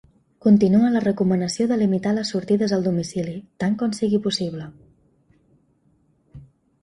Continua la recomanació de limitar les sortides al domicili, tant com sigui possible.